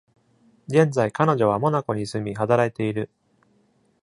現在、彼女はモナコに住み、働いている。